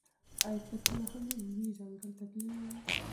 ایا ته کله کوم لوی ځنګل ته تللی یې؟